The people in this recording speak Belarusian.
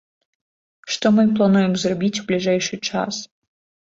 Што мы і плануем зрабіць у бліжэйшы час.